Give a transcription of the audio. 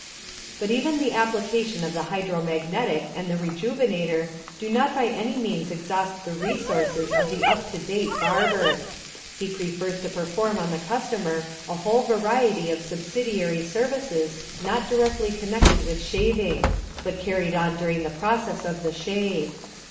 But even the application of the Hydro magnetic and the Rejuvenator do not by any means exhaust the resources of the up to date barber. He prefers to perform on the customer a whole variety of subsidiary services not directly connected with shaving, but carried on during the process of the shave.